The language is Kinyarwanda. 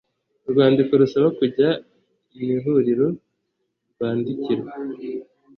urwandiko rusaba kujya mu ihuriro rwandikirwa